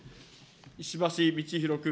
石橋通宏君。